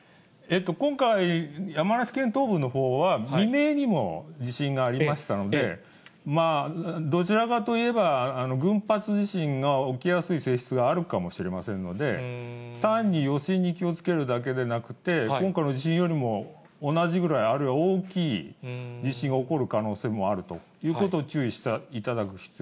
今回、山梨県東部のほうは、未明にも地震がありましたので、どちらかといえば、群発地震が起きやすい性質があるかもしれませんので、単に余震に気をつけるだけでなくて、今回の地震よりも、同じぐらい、あるいは大きい地震が起こる可能性もあるということを注意してい